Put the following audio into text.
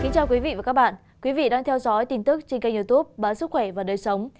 chào các bạn quý vị đang theo dõi tin tức trên kênh youtube bản sức khỏe và đời sống